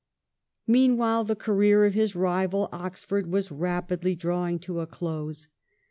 Meanwhile the career of his rival Oxford was rapidly drawing to a close.